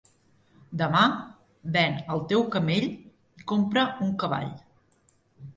Demà, ven el teu camell i compra un cavall.